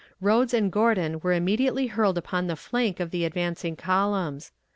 Rodes and Gordon were immediately hurled upon the flank of the advancing columns.